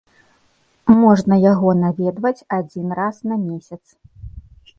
Можна яго наведваць адзін раз на месяц.